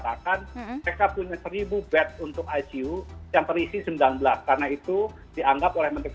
penilai berdampingan mereka betahkan berdasarkan kalau mereka melakukan pengetatan kembali atau tidak